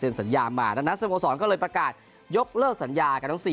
เสียสัญญามานะซึ่งสโมสรก็เลยประกาศยกเลิกสัญญากับทั้ง